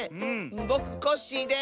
ぼくコッシーです！